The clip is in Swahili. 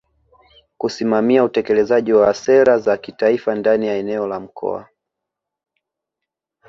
kusimamia utekelezaji wa sera za kitaifa ndani ya eneo la Mkoa